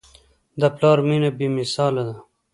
د پلار مینه بېمثاله ده.